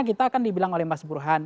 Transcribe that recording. kita kan dibilang oleh mas burhan